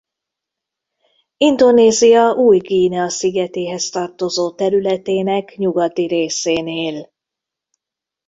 Indonézia Új-Guinea szigetéhez tartozó területének nyugati részén él.